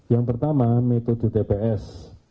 yang pertama metode tps